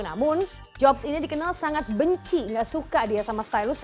namun jobs ini dikenal sangat benci gak suka dia sama stylus